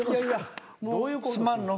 すまんの。